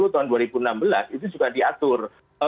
tahun dua ribu enam belas itu juga diatur